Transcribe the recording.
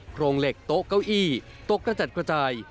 โครงเหล็กโต๊ะเก้าอี้ตกกระจัดกระจาย